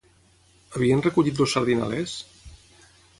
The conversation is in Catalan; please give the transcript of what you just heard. Havien recollit els sardinalers?